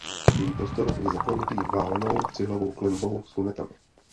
Její prostor je zaklenutý valenou cihlovou klenbou s lunetami.